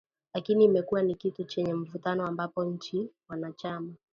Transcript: Lakini imekuwa ni kitu chenye mvutano ambapo nchi wanachama